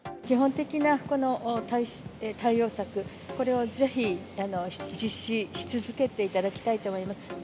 基本的なこの対応策、これをぜひ、実施し続けていただきたいと思います。